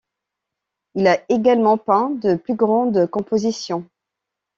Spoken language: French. Il a également peint de plus grandes compositions.